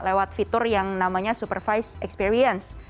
lewat fitur yang namanya supervise experience